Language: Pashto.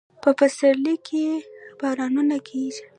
په پسرلي کې بارانونه کیږي